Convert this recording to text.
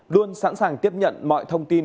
luôn sẵn sàng tiếp nhận mọi thông tin